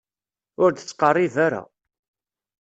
Ur d-ttqeṛṛib ara.